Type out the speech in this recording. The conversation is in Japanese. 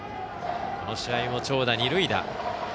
この試合も長打二塁打。